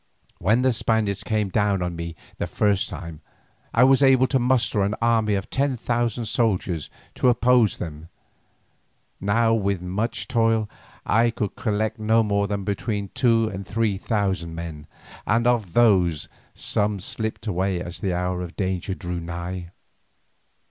When the Spaniards came down on me the first time, I was able to muster an army of ten thousand soldiers to oppose them, now with much toil I could collect no more than between two and three thousand men, and of these some slipped away as the hour of danger drew nigh.